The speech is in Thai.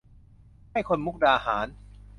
ให้คนมุกดาหาร